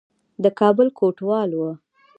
د کابل کوټوال وو.